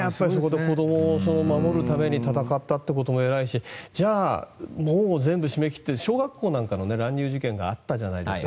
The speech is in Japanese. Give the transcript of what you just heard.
子どもを守るために戦ったということも偉いしじゃあ、門を全部閉め切って小学校なんかの乱入事件があったじゃないですか。